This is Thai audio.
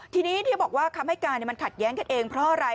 ทีนี้ที่บอกว่าคำให้การมันขัดแย้งกันเองเพราะอะไร